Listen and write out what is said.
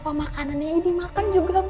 pemakanannya dimakan juga bener ya